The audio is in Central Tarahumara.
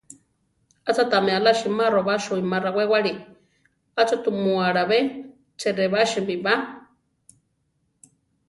¿Acha tami alá simároba suíma rawéwali? ¿acha tumu akabé cheʼrebásimi ba?